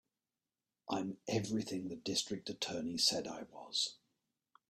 I'm everything the District Attorney said I was.